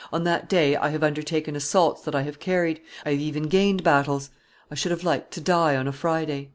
"on that day I have undertaken assaults that I have carried; I have even gained battles: I should have liked to die on a Friday."